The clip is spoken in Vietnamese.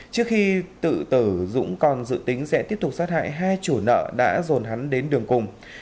trước khi tự tử dũng còn dự tính sẽ tiếp tục sát hại hai chủ nợ đã rồn hắn đến đường cùng